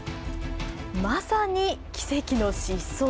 まさに奇跡の疾走。